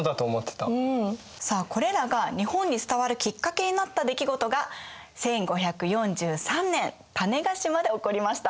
さあこれらが日本に伝わるきっかけになった出来事が１５４３年種子島で起こりました。